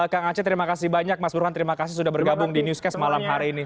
kang aceh terima kasih banyak mas burhan terima kasih sudah bergabung di newscast malam hari ini